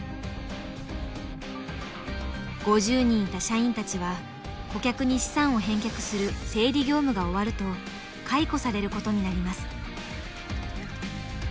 ５０人いた社員たちは顧客に資産を返却する整理業務が終わると解雇されることになります。